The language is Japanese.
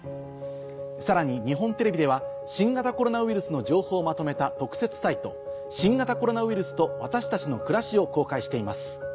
さらに日本テレビでは新型コロナウイルスの情報をまとめた。を公開しています。